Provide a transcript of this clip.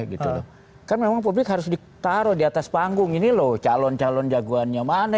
gitu loh kan memang publik harus ditaruh di atas panggung ini loh calon calon jagoannya mana